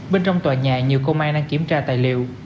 bên trong tòa nhà nhiều công an đang kiểm tra tài liệu